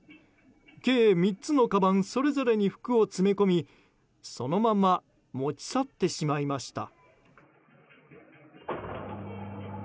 計３つのかばんそれぞれに服を詰め込みそのまま持ち去ってしまいました。